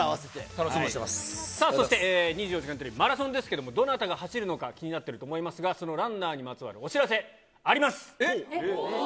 楽しみそして、２４時間テレビ、マラソンですけれども、どなたが走るのか気になってると思いますが、そのランナーにまつわるお知らせあります。